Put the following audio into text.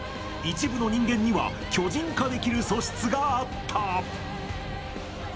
一部の人間には巨人化できる素質があった。